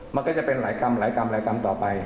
มันก็จะเป็นหลายกรรมหลายกรรมหลายกรรมต่อไป